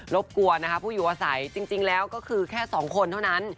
บกวนนะคะผู้อยู่อาศัยจริงแล้วก็คือแค่๒คนเท่านั้น